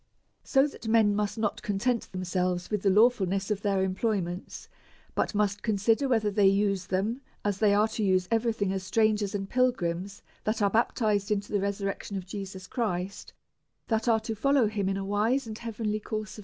So that men must not content themselves with the lawfulness of their employments, but must consider whether they use them as they are to Coloss. iii. 1. use every thing, as strangers and pil 1 Pet. i. 15, grims that are baptised unto the resur 16. rcction of Jesus Christ, that are to fol Eph. V. 26, low him in a wise and heavenly course 27.